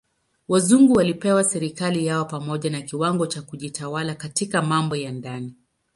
Wazungu walipewa serikali yao pamoja na kiwango cha kujitawala katika mambo ya ndani.